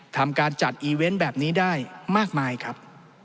ทำการจัดอีเวนต์แบบนี้ได้มากมายครับ